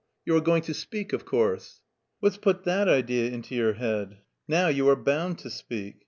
You are going to speak, of course?" "What's put that idea into your head?" "Now you are bound to speak."